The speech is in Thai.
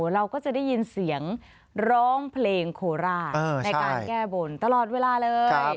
เราก็จะได้ยินเสียงร้องเพลงโคราชในการแก้บนตลอดเวลาเลย